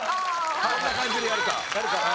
どんな感じでやるか。